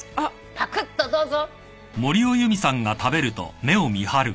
パクッとどうぞ。